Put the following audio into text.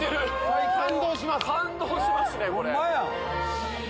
感動しますねこれ。